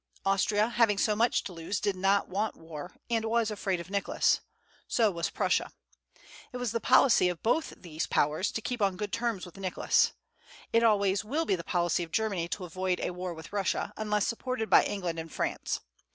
Austria having so much to lose, did not want war, and was afraid of Nicholas. So was Prussia. It was the policy of both these Powers to keep on good terms with Nicholas. It always will be the policy of Germany to avoid a war with Russia, unless supported by England and France.